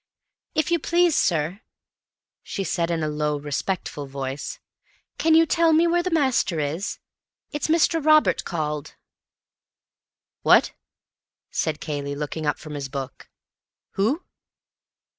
"If you please, sir," she said in a low, respectful voice, "can you tell me where the master is? It's Mr. Robert called." "What?" said Cayley, looking up from his book. "Who?"